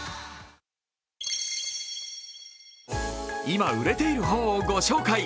今、売れている本をご紹介